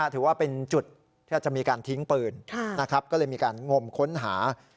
ถือว่าเป็นจุดที่อาจจะมีการทิ้งปืนก็เลยมีการงมค้นหา